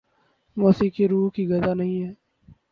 موسیقی روح کی غذا نہیں ہے